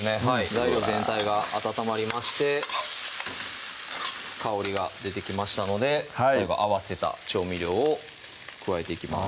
材料全体が温まりまして香りが出てきましたので合わせた調味料を加えていきます